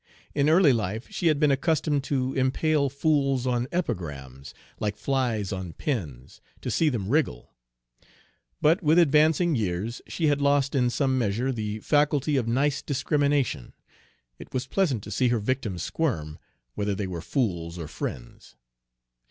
In early life she had been accustomed to impale fools on epigrams, like flies on pins, to see them wriggle. But with advancing years she had lost in some measure the faculty of nice discrimination, it was pleasant to see her victims squirm, whether they were fools or friends.